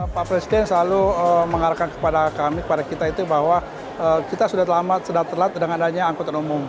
pak presiden selalu mengarahkan kepada kami kepada kita itu bahwa kita sudah telat dengan adanya angkutan umum